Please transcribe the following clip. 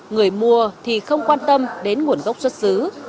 người mua thì không quan tâm đến nguồn gốc xuất xứ